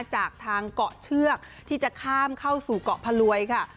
จากทางเกาะเชือกที่จะข้ามเข้าสู่เกาะพลวยค่ะ